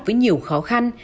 với nhiều khó khăn